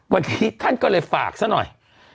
วันนี้ท่านก็เลยฝากซะหน่อย